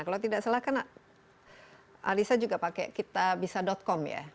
kalau tidak salah kan alisa juga pakai kitabisa com ya